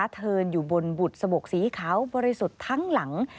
เทินอยู่บนบุตรสะบกสีขาวบริสุทธิ์ทั้งหลัง